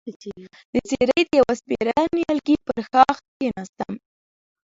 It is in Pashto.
د څېړۍ د يوه سپېره نيالګي پر ښاخ کېناستم،